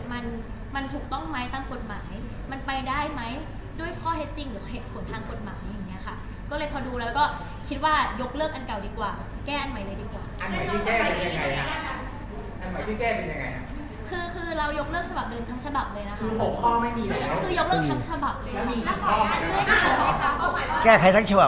มันถูกต้องไหมตั้งกฎหมาย